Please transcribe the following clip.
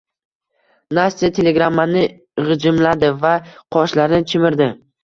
Nastya telegrammani gʻijimladi va qoshlarini chimirdi.